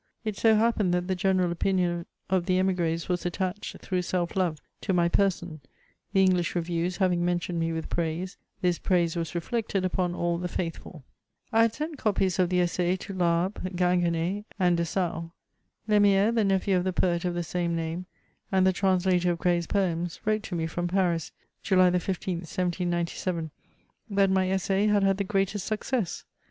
It so happened that the general opinion of the Emigres was attached, through self love, to my person ; the English reviews having mentioned me with praise, this praise was reflected upon all the faithful. I had sent copies of the JEssai to Laharpe, Ginguen6, and de Sales. Lemiere, the nephew of the poet of the same name, and the translator of Gray's Poems, wrote to me from Paris, July the 15th, 1797, that my £ssai had had the greatest success.